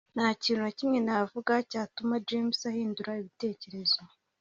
nta kintu na kimwe navuga cyatuma james ahindura ibitekerezo